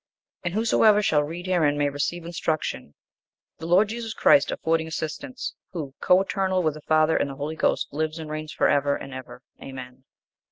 And whosoever shall read herein may receive instruction, the Lord Jesus Christ affording assistance, who, co eternal with the Father and the Holy Ghost, lives and reigns for ever and ever. Amen.